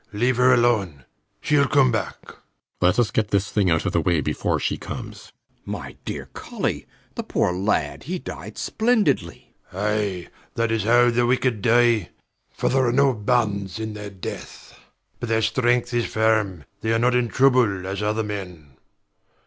Leave her alone. She'll come back. RIDGEON [callously] Let us get this thing out of the way before she comes. B. B. [rising, shocked] My dear Colly! The poor lad! He died splendidly. SIR PATRICK. Aye! that is how the wicked die. For there are no bands in their death; But their strength is firm: They are not in trouble as other men.